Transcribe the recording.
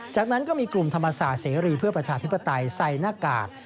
จากนั้นก็มีกลุ่มธรรมศาสตร์เสรีเพื่อประชาธิปไตยใส่หน้ากาก